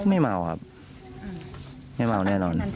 อยู่ดีมาตายแบบเปลือยคาห้องน้ำได้ยังไง